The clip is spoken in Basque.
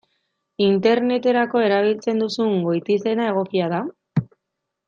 Interneterako erabiltzen duzun goitizena egokia da?